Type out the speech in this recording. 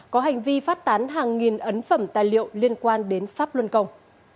có hành vi phát tán hàng nghìn ấn phẩm tài liệu liên quan đến pháp luân công